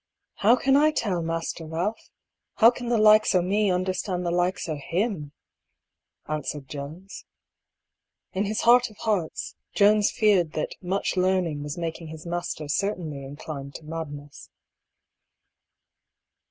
"How can I tell. Master Ealph? How can the likes o' me understand the likes o' Atmf " answered Jones. In his heart of hearts, Jones feared that " much learning " was making his master certainly inclined to madness.